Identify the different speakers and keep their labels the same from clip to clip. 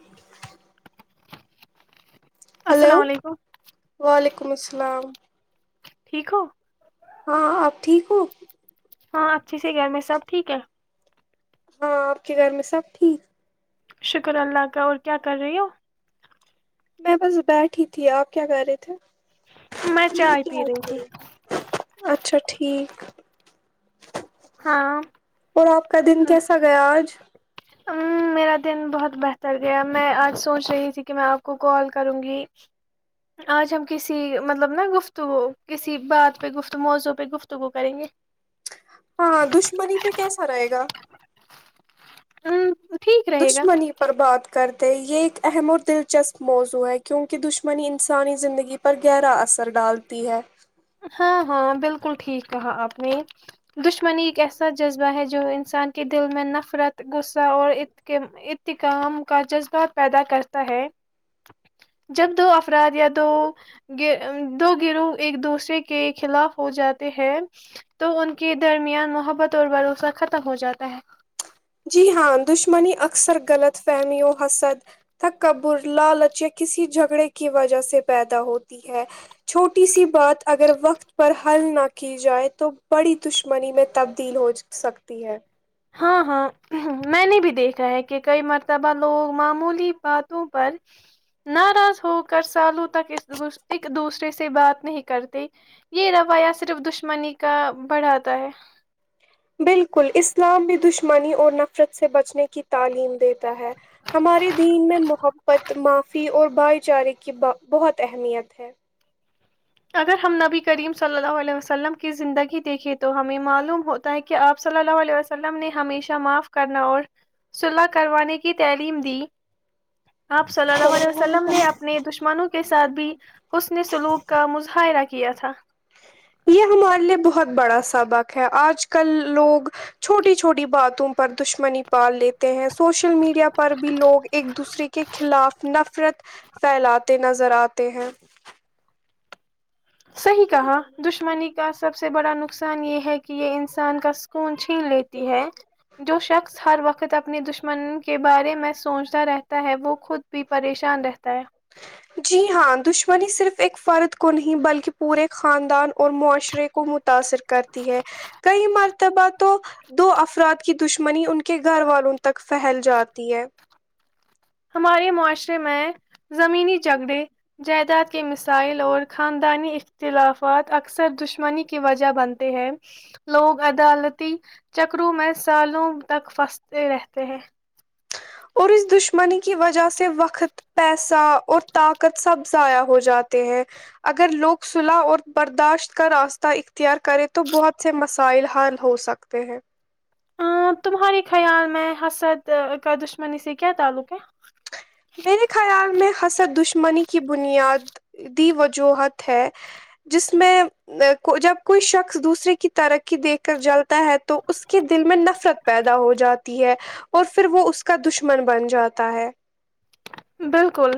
Speaker 1: [inaudible]
Speaker 2: السلام علیکم
Speaker 1: ولیکم السلام
Speaker 2: ٹھیک ہو
Speaker 1: ہاں آپ ٹھیک ہو
Speaker 2: ہاں اچھی سے گھر میں سب ٹھیک ہے
Speaker 1: ہاں آپ کے گھر میں سب ٹھیک
Speaker 2: شکر اللہ کا اور کیا کر رہی ہو
Speaker 1: میں بس بیٹھ ہی تھی آپ کیا کرہ رہے تھے
Speaker 2: میں چائے
Speaker 1: کیا
Speaker 2: پی رہی تھی
Speaker 1: اچھا ٹھیک
Speaker 2: ہاں
Speaker 1: اور آپ کا دن
Speaker 2: م-
Speaker 1: کیسا گیا آج
Speaker 2: میرا دن بہت بہتر گیا میں آج سوچ رہی تھی کہ میں آپ کو کال کروں گی آج ہم کسی مطلب نا گفتگو کسی بات پہ گفتگو موضوع پہ گفتگو کریں گے
Speaker 1: ہاں دشمنی پہ کیسا رہے گا [inaudible]
Speaker 2: ہوں
Speaker 1: دشمنی پررباد کر یہ ایک اہم اور دلچسپ موضوع ہے کیونکہ دشمنی انسانی زندگی پر گہرا اثر ڈالتی ہے
Speaker 2: ہاں ہاں بالکل ٹھیک کہا آپ نے دشمنی ایک ایسا جذبہ ہے جو انسان کے دل میں نفرت غصہ اور اتکام کا جذبہ پیدا کرتا ہے جب دو افراد یا دو دو گروہ ایک دوسریے کے خلاف ہو جاتے ہیں تو ان کے درمیان محبت اور بھروسہ ختم ہو جاتا ہے
Speaker 1: جی ہاں دشمنی اکثر غلط فہمیوں حسد تھکبر لالچ کسی جھگڑے کی وجہ سے پیدا ہوتی ہے چھوٹی سی بات اگر وقت پر حل نہ کی جائے تو بڑی دشمنی میں تبدیل ہو سکتی ہے
Speaker 2: ہاں ہاں میں نے بھی دیکھا ہے کہ کئی مرتبہ لوگ معمولی باتوں پر ناراض ہو کر سالوں تک ایک دوسرے سے بات نہیں کرتے یہ روایہ صرف دشمنی کا بڑھاتا ہے
Speaker 1: بالکل اسلام بھی دشمنی اور نفرت سے بچنے کی تعلیم دیتا ہے ہمارے دین میں محبت معافی اور بھائی چارے کی بہت اہمیت ہے
Speaker 2: اگر ہم نبی کریم صلی اللہ علیہ وسلم کی زندگی دیکھیں تو ہمیں معلوم ہوتا ہے کہ آپ صلی اللہ علیہ وسلم نے ہمیشہ معاف کرنا اور صلاح کروانے کی تعلیم دی آپ صلی اللہ علیہ وسلم نے اپنے دشمنوں کے ساتھ بھی حسن سلوک کا مظاہرہ کیا تھا
Speaker 1: یہ ہمارے لیے بہت بڑا سبق ہے آج کل لوگ چھوٹی چھوٹی باتوں پر دشمنی پال لیتے ہیں سوشل میڈیا پر بھی لوگ ایک دوسرے کے خلاف نفرت پھیلاتے نظر آتے ہیں
Speaker 2: صحیح کہا دشمنی کا سب سے بڑا نقص نقصان یہ ہے کہ یہ انسان کا سکون ہے لیتی ہے جو شخص ہر وقت اپنی دش من کے بارے میں سوچتا رہتا ہے وہ خود بھی پریشان رہتا ہے
Speaker 1: جی ہاں دشمنی صرف ایک فرد کو نہیں بلکہ پورے خاندان اور معاشرے کو متاثر کرتی ہے کئی مرتبہ تو دو افراد کی دشمنی ان کے گھر والوں تک پھیل جاتی ہے
Speaker 2: ہمارے معاشرے میں زمینی جھگڑے جائیداد کے مسائل اور خاندانی اختلافات اکثر دشمنی کی وجہ بنتے ہیں لوگ عدالتی چکروں میں سالوں تک پھنستے رہتے ہیں
Speaker 1: اور اس دشمنی کی وجہ سے وقت پیسہ اور طاقت سب ضائع ہو جاتے ہیں اگر لوگ صلح اور برداشت کا راستہ اختیار کرے تو بہت سے مسائل حل ہو سکتے ہیں
Speaker 2: تمہارے خیال میں حسد کا دشمنی سے کیا تعلق ہے
Speaker 1: میرے خیال میں حسد دشمنی کی بنیاد دی وجوہت ہے جس میں جب کوئی شخص دوسرے کی ترقی دیکھ کر جلتا ہے تو اس کے دل میںں نفرت پیدا ہو جاتی ہے اور پھر وہ اس کا دشمن بن جاتا ہے
Speaker 2: بالکل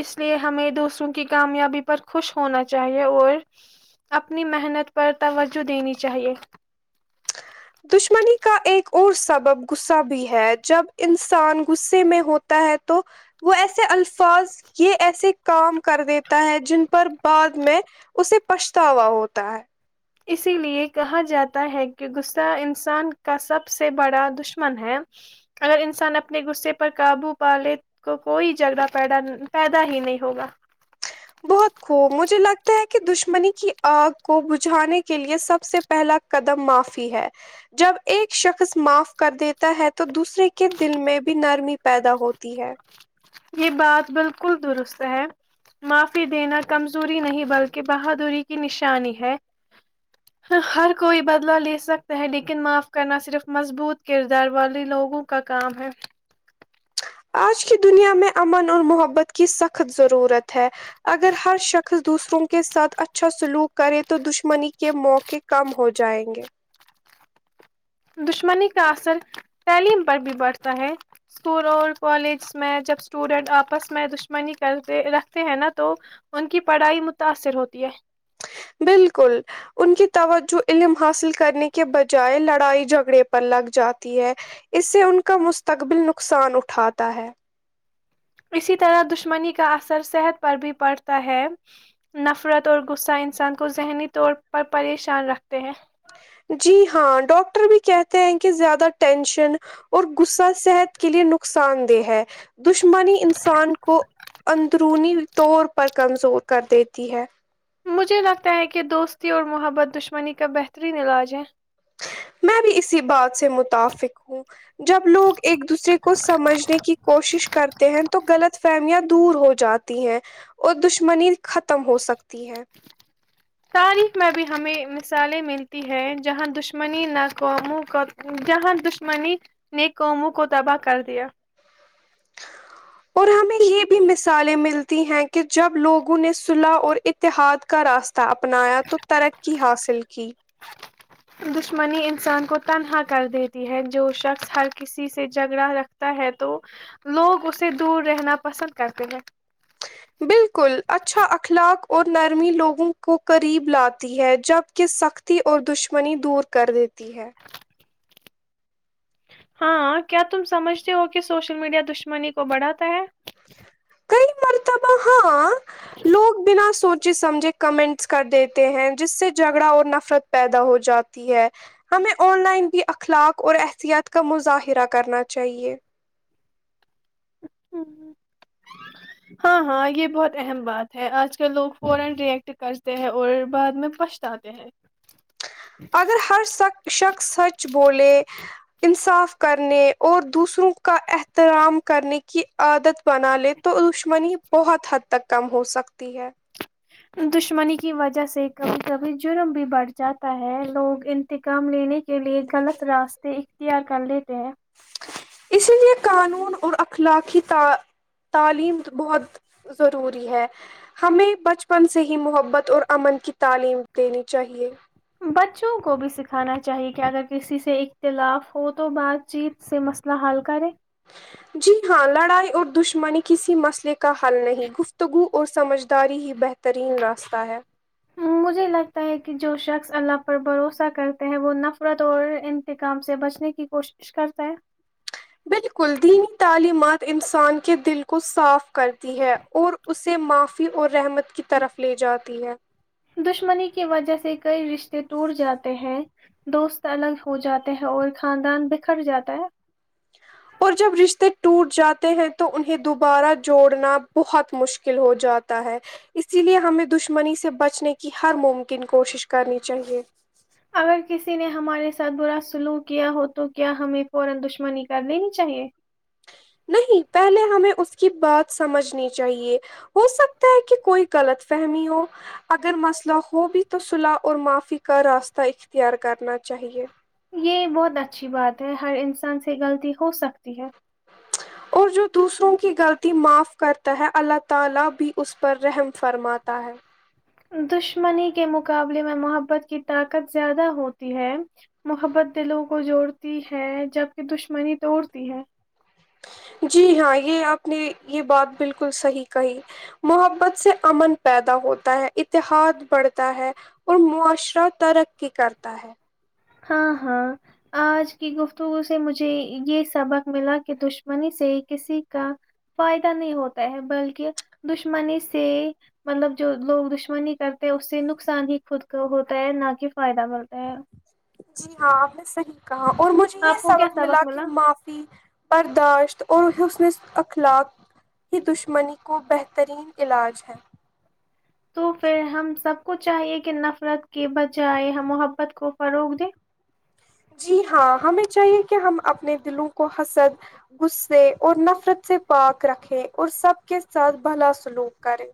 Speaker 2: اس لیے ہمیں دوسروں کی کامیابی پر خوش ہونا چاہیے اور اپنی محنت پر توجہ دینی چاہیے
Speaker 1: دشمنی کا ایک اور سبب غصہ بھی ہے جب انسان غصے میں ہوتا ہے تو وہ ایسے ال فاظ یہ ایسے کام کر دیتا ہے جن پر بعد میں اسے پچھتاوا ہوتا ہے
Speaker 2: اسی لیے کہا جاتا ہے کہ غصہ انسان کا سب سے بڑا دشمن ہے اگر انسان اپنے غصے پر قابو پ لے کو کوئی جھگڑا پیدا ہی نہیں ہوگا
Speaker 1: بہت خوب مجھے لگتا ہے کہ دشمنی کی آگ کو بجھانے کے لیے سب سے پہلا قدم معافی ہے جب ایک شخص معاف کر دیتا ہے تو دوسرے کے دل میں بھی نرمی پیدا ہوتی ہے
Speaker 2: یہ بات بالکل درست ہے معافی دینا کمزوری نہیں بلکہ بہادری کی نشانی ہے ہر کوئی بدلا لے سکتا ہے لیکن معاف کرنا صرف مضبوط کردار والے لوگوں کا کام ہے
Speaker 1: آج کی دنیا میں امن اور محبت کی سخت ضرورت ہے اگر ہر شخص دوسروں کے ساتھ اچھا سلوک کرے تو دشمنی کے موقعے کم ہو جائیں گے
Speaker 2: دشمنی کا اثر تعلیم پر بھی بڑھتا ہے اسکول اور کالج میں جب اسٹوڈنٹ آپس میں دشمنی رکھتے ہیں نا تو ان کی پڑھائی متاثر ہوتی ہے
Speaker 1: بالکل ان کی توجہ علم حاصل کرنے کے بجائے لڑائی جھگڑے پر لگ جاتی ہے اس سے ان کا مستقبل نقصان اٹھاتا ہے
Speaker 2: اسی طرح دشمنی کا اثر صحت پر بھی پڑتا ہے نفرت اور غصہ انسان کو ذہنی طور پر پریشان رکھتے ہیں
Speaker 1: جی ہاں ڈاکٹر بھی کہتے ہیں کہ زیادہ ٹینشن اور غصہ صحت کے لیے نقصان دہ ہے دشمنی انسان کو اندر رونی طور پر کمزور کر دیتی ہے
Speaker 2: مجھے لگتا ہے کہ دوستی اور محبت دشمنی کا بہترین علاج ہے
Speaker 1: میں بھی اسی بات سے متفق ہوں جب لوگ ایک دوسرے کو سمجھنے کی کوشش کرتے ہیں تو غلط فہمیاں دور ہو جاتی ہیں اور دشمنی ختم ہو سکتی ہے
Speaker 2: تاریخ میں بھی ہمیں مثالیں ملتی ہیں جہاں دشمنی نہ قوموں کو جہاں دشمنی نے قوموں کو تباہ کر دیا
Speaker 1: اور ہمیں یہ بھی مثالیں ملتی ہیں کہ جب لوگوں نے صلح اور اتحاد کا راستہ اپنایا تو ترقی حاصل کی
Speaker 2: دشمنی انسان کو تنہا کر دیتی ہے جو شخص ہر کسی سے جھگڑا رکھتا ہے تو لوگ اسے دور رہنا پسند کرتے ہیں
Speaker 1: بالکل اچھا اخلاق اور نرمی لوگوں کو قریب لاتی ہے جبک سختی اور دشمنی دور کر دیتی ہے
Speaker 2: ہاں کیا تم سمجھتے ہو کہ سوشل میڈیا دشمنی کو بڑھاتا ہے
Speaker 1: کئی مرتبہ لوگ بنا سوچ سمجھے کمنٹس کر دیتے ہیں جس سے جھگڑا اور نفرت پیدا ہو جاتی ہے ہمیں ان لائن بھی اخلاق اور احتیاط کا مظاہرہ کرنا چاہیے
Speaker 2: ہاں ہاں یہ بہت اہم بات ہے اج کل لوگ فورا ری ایکٹ کرتے ہیں اور بعد میں پچھتاتے ہیں
Speaker 1: اگر ہر شخص سچ بولے انصاف کرنے اور دوسروں کا احترام کرنے کی عادت بنا لے تو دشمنی بہت حد تک کم ہو سکتی ہے
Speaker 2: دشمنی کی وجہ سے کبھی جرم بھی بڑھ جاتا ہے لوگ انتقام لینے کے لیے غلط راستے اختیار کر لیتے ہیں
Speaker 1: اس لیے قانون اور اخلاقی تعلیم بہت ضروری ہے ہمیں بچپن سے ہی محبت اور امن کی تعلیم دینی چاہیے
Speaker 2: بچوں کو بھی سکھانا چاہیے کہ اگر کسی سے اختلاف ہو تو بات چیت سے مسئلہ حل کریں
Speaker 1: جی ہاں لڑائی اور دشمنی کسی مسئلے کا حل نہیں گفتگو اور سمجھداری ہی بہترین راستہ ہے
Speaker 2: مجھے لگتا ہے کہ جو شخص اللہ پر بھروسہ کرتا ہے وہ نفرت اور انتقام سے بچنے کی کوشش کرتا ہے
Speaker 1: بلکل دینی تعلیمات انسان کے دل کو صاف کرتی ہے اور اسے معافی اور رحمت کی طرف لے جاتی ہے
Speaker 2: دشمنی کی وجہ سے کئی رشتے ٹوٹ جاتے ہیں دوست الگ ہو جاتے ہیں اور خاندان بکھر جاتا ہے
Speaker 1: اور جب رشتے ٹوٹ جاتے ہیں تو انہیں دوبارہ جوڑنا بہت مشکل ہو جاتا ہے اسی لیے ہمیں دشمنی سے بچنے کی ہر ممکن کوشش کرنی چاہیے
Speaker 2: [unintelligible]
Speaker 1: نہیں پہلے ہمیں اس کی بات سمجھنی چاہیے ہو سکتا ہے کہ کوئی غلط فہمی ہو اگر مسئلہ ہو بھی تو صلح اور معافی کا راستہ اختیار کرنا چاہیے
Speaker 2: یہ بہت اچھی بات ہے ہر انسان سے غلطی ہو سکتی ہے
Speaker 1: اور جو دوسروں کی غلطی معاف کرتا ہے اللہ تعالی بھی اس پر رحم فرماتا ہے
Speaker 2: دشمنی کے مقابلے میں محبت کی طاقت زیادہ ہوتی ہے محبت دلوں کو جوڑتی ہے جبکہ دشمنی توڑتی ہے
Speaker 1: جی ہاں یہ اپ نے یہ بات بالکل صحیح کہی محبت سے امن پیدا ہوتا ہے اتحاد پڑھتا ہے اور معاشرہ ترقی کرتا ہے
Speaker 2: ہاں ہاں اج کی گفتگو سے مجھے یہ سبق ملا کہ دشمنی سے کسی کا فائدہ نہیں ہوتا ہے بلکہ دشمنی سے مطلب جو لوگ دشمنی کرتے ہیں اس سے نقصان ہی خود کو ہوتا ہے نہ کہ فائدہ ہوتا ہے
Speaker 1: جی ہاں آپ نے صحیح کہا کہا اور مجھے یہ
Speaker 2: آپ کو کیا
Speaker 1: سبق ملا کہ معافی برداشت اور اخلاق ہی دشمنی کو بہترین علاج ہے
Speaker 2: تو پھر ہم سب کو چاہیے کہ نفرت کے بجائے ہم محبت کو فروغ دے
Speaker 1: جی ہاں ہمیں چاہیے کہ ہم اپنے دلوں کو حسد غسے اور نفرت سے پاک رکھے اور سب کے ساتھ بھلا سلوک کریں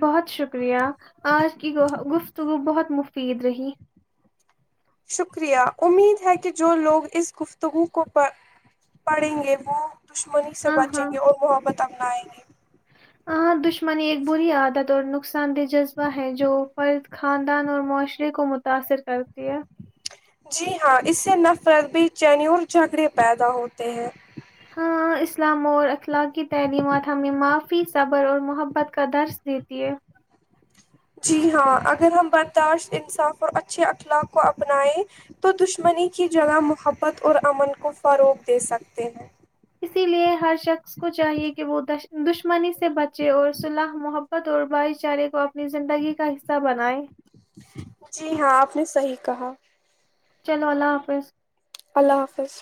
Speaker 2: بہت شکریہ اج کی گفتگو بہت مفید رہی
Speaker 1: شکریہ امید ہے کہ جو لوگ اس گفتگو کو پڑھیں گے وہ دشمنی سے
Speaker 2: ہاں
Speaker 1: بچیں
Speaker 2: ہاں
Speaker 1: گے اور محبت اپنائے گے
Speaker 2: ہاں دشمنی ایک بری عادت اور نقصان دہ جذبہ ہے جو فرد خاندان اور معاشرے کو متاثر کرتی ہے
Speaker 1: جی ہاں اس سے نفرت بے چینی اور جھگڑے پیدا ہوتے ہیں
Speaker 2: ہاں اسلام اور اخلاق کی تعلیمات ہمیں معافی صبر اور محبت کا درس دیتی ہے
Speaker 1: جی ہاں اگر ہم برداشت انصاف اور اچھے اخلاق کو اپنائیں تو دشمنی کی جگہ محبت اور امن کو فروق دے سکتے ہیں
Speaker 2: اسی لیے ہر شخص کو چاہیے کہ وہ دشمنی سے بچے اور صلح محبت اور بھائی چارے کو اپنی زندگی کا حصہ بنائیں
Speaker 1: جی ہاں آپ نے صحیح کہا
Speaker 2: چلو اللہ حافظ
Speaker 1: اللہ حافظ